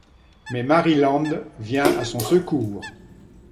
Mais Maryland vient à son secours.